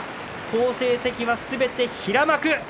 好成績がすべて平幕。